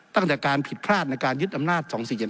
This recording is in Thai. ตั้งแต่การผิดพลาดในการยึดอำนาจ๒๔๗